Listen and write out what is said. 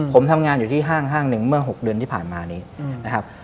ผมทำงานอยู่ที่ห้างหนึ่งเมื่อ๖เดือนที่ผ่านมานี้นะครับ